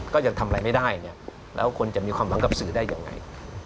ก็ยังทำอะไรไม่ได้เนี่ยแล้วคนจะมีความหวังกับสื่อได้ยังไง